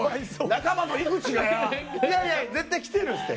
いや、絶対来てるって。